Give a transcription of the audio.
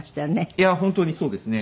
いや本当にそうですね。